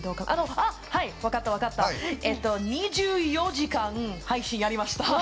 ２４時間配信やりました。